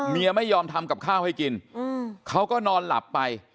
ไม่ยอมทำกับข้าวให้กินเขาก็นอนหลับไป